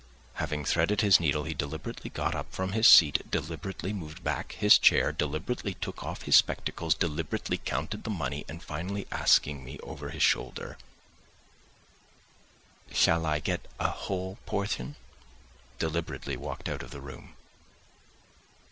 Having threaded his needle he deliberately got up from his seat, deliberately moved back his chair, deliberately took off his spectacles, deliberately counted the money, and finally asking me over his shoulder: "Shall I get a whole portion?" deliberately walked out of the room.